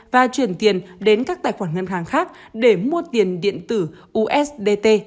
và chuyển tiền đến các tài khoản ngân hàng khác để mua tiền điện tử ustt